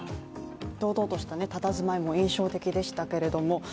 堂々としたたたずまいも印象的でしたけれども。